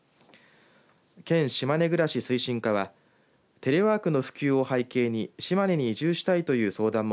県しまね暮らし推進課はテレワークの普及を背景に島根に移住したいという相談も